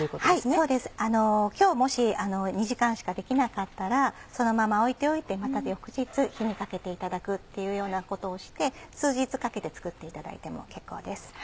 そうです今日もし２時間しかできなかったらそのまま置いておいてまた翌日火にかけていただくっていうようなことをして数日かけて作っていただいても結構です。